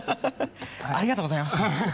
ありがとうございます。